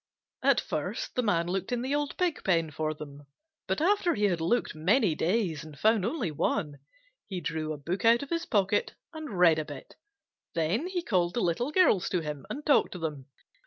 At first the Man looked in the old Pig pen for them, but after he had looked many days and found only one, he drew a book out of his pocket and read a bit. Then he called the Little Girls to him and talked to them.